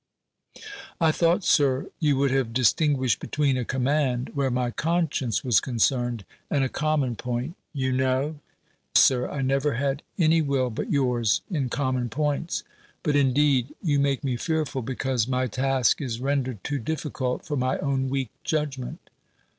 "I thought, Sir, you would have distinguished between a command where my conscience was concerned, and a common point: you know. Sir, I never had any will but yours in common points. But, indeed, you make me fearful because my task is rendered too difficult for my own weak judgment."